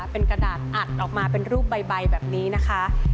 เป็นกระดาษอัดออกมาเป็นรูปใบแบบนี้นะคะ